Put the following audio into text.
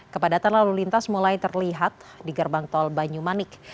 kepadatan lalu lintas mulai terlihat di gerbang tol banyumanik